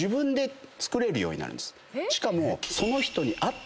しかも。